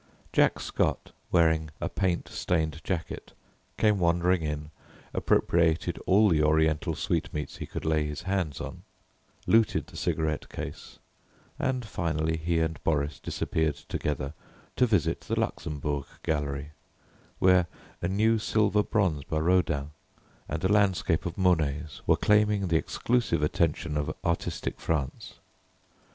Jack Scott, wearing a paint stained jacket, came wandering in, appropriated all the Oriental sweetmeats he could lay his hands on, looted the cigarette case, and finally he and Boris disappeared together to visit the Luxembourg Gallery, where a new silver bronze by Rodin and a landscape of Monet's were claiming the exclusive attention of artistic France.